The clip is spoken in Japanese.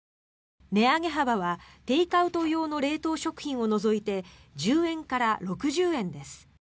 値上げ幅はテイクアウト用の冷凍食品を除いて１０円から６０円です。